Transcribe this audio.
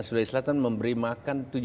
sulawesi selatan memberi makan tujuh belas